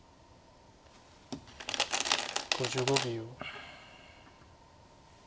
５５秒。